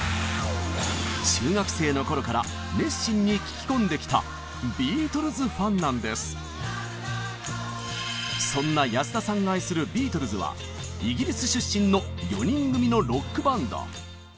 中学生の頃からそんな安田さんが愛するビートルズはイギリス出身の４人組のロックバンド。